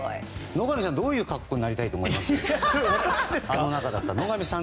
野上さん、どういう格好になりたいと思いますか？